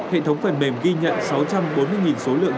hệ thống phần mềm ghi nhận sáu trăm bốn mươi số lượng